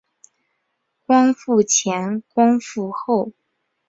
光复前光复后